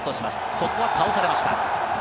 ここは倒されました。